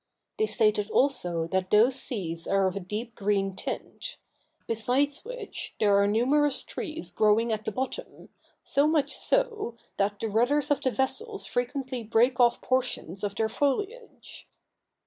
They stated also that those seas are of a deep green tint; besides which, there are numerous trees growing at the bottom, so much so, that the rudders of the vessels frequently break off portions of their foliage.